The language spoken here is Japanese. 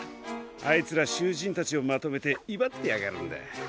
あいつらしゅうじんたちをまとめていばってやがるんだ。